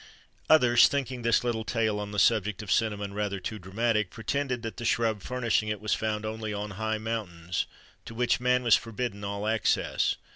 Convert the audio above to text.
[XXIII 73] Others, thinking this little tale on the subject of cinnamon rather too dramatic, pretended that the shrub furnishing it was found only on high mountains, to which man was forbidden all access.